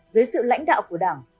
dưới sự lãnh đạo của đảng